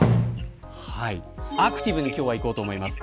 アクティブに今日はいこうと思います。